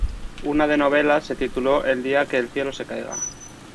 Una de novelas se tituló "El día que el cielo se caiga".